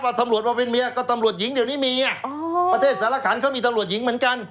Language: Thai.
ตำรวจว่าเป็นเมียก็ตำรวจหญิงเดี๋ยวนี้มีประเทศสารขันเขามีตำรวจหญิงเหมือนกัน